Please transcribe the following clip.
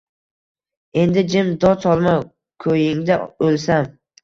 endi jim, dod solma, ko’yingda o’lsam.